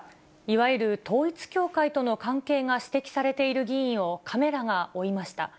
いわゆる統一教会との関係が指摘されている議員をカメラが追いました。